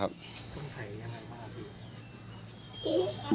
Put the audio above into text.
ไม่น่าใช่